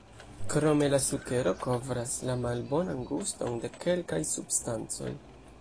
Krome la sukero kovras la malbonan guston de kelkaj substancoj.